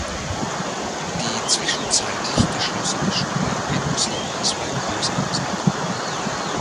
Die zwischenzeitlich geschlossene Schule genoss landesweit hohes Ansehen.